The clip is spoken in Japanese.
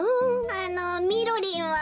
あのみろりんは？